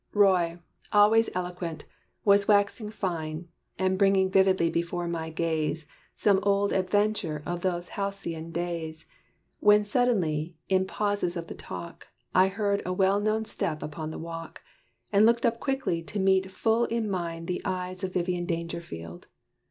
Roy, always eloquent, was waxing fine, And bringing vividly before my gaze Some old adventure of those halcyon days, When suddenly in pauses of the talk, I heard a well known step upon the walk, And looked up quickly to meet full in mine The eyes of Vivian Dangerfield.